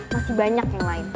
masih banyak yang lain